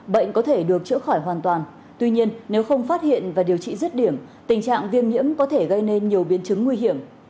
bệnh có thể được chữa khỏi hoàn toàn tuy nhiên nếu không phát hiện và điều trị rứt điểm tình trạng viêm nhiễm có thể gây nên nhiều biến chứng nguy hiểm